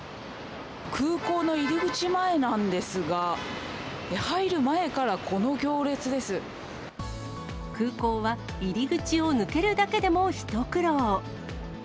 空港の入り口前なんですが、空港は、入り口を抜けるだけでも一苦労。